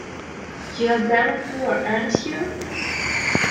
You are very poor, ain't you?